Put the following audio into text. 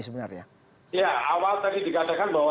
ya awal tadi dikatakan bahwa rokok di indonesia itu mungkin berbeda